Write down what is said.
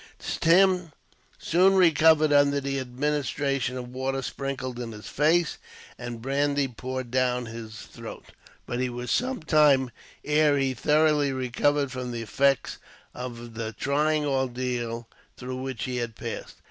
Tim soon recovered, under the administration of water sprinkled in his face, and brandy poured down his throat. But he was some time, ere he thoroughly recovered from the effects of the trying ordeal through which he had passed.